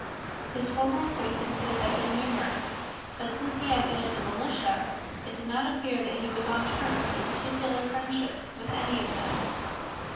His former acquaintance had been numerous; but since he had been in the militia, it did not appear that he was on terms of particular friendship with any of them.